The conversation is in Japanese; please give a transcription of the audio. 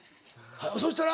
そしたら？